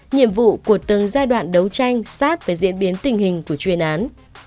nhiệm vụ của từng giai đoạn đấu tranh sát với diễn biến tình hình của chuyên án